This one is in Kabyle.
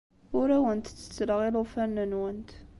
Ur awent-ttettleɣ ilufanen-nwent.